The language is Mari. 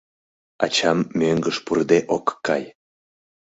— Ачам мӧҥгыш пурыде ок кай.